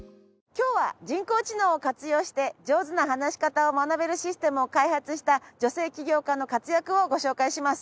今日は人工知能を活用して上手な話し方を学べるシステムを開発した女性起業家の活躍をご紹介します。